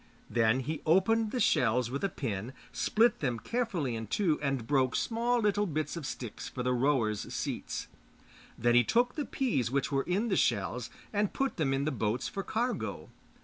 Then he opened the shells with a pin, split them carefully in two, and broke small little bits of sticks for the rowers' seats. Then he took the peas which were in the shells and put them in the boats for cargo.